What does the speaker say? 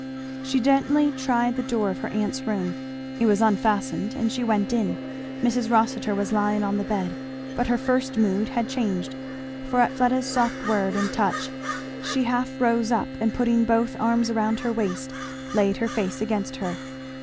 She gently tried the door of her aunt's room; it was unfastened, and she went in. Mrs. Rossitur was lying on the bed; but her first mood had changed, for at Fleda's soft word and touch she half rose up and putting both arms round her waist laid her face against her.